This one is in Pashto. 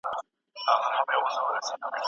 په قلم خط لیکل د فکرونو ترمنځ تار غځوي.